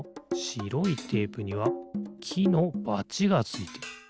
しろいテープにはきのバチがついてる。